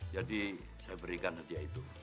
jadi saya berikan hadiah itu